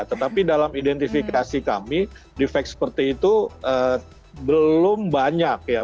tetapi dalam identifikasi kami defect seperti itu belum banyak ya